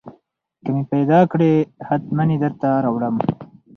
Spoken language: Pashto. که مې پېدا کړې حتمن يې درته راوړم.